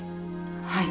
はい。